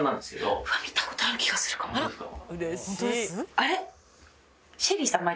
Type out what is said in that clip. あれ？